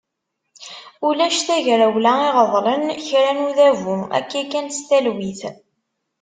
Ulac tagrawla iɣeḍlen kra n udabu akka kan s talwit.